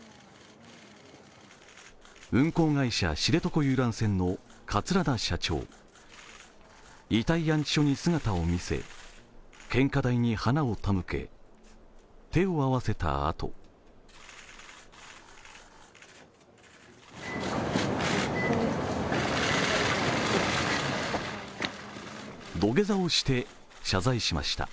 運航会社、知床遊覧船の桂田社長遺体安置所に姿を見せ献花台に花を手向け手を合わせたあと土下座をして謝罪しました。